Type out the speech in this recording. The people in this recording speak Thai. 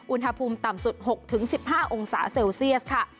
อุณหภูมิต่ำสุด๖๑๕องศาเซลเซียสค่ะ